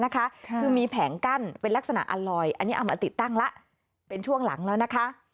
คือมีแผงกั้นเป็นลักษณะอัลลอยอันนี้เอามาติดตั้งแล้วเป็นช่วงหลังแล้วนะคะ